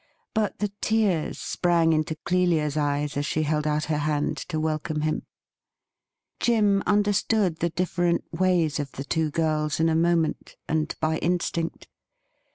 But the tears sprang into Clelia's eyes as she held out her hand to welcome him. Jim understood the different ways of the two girls in a moment, and by instinct.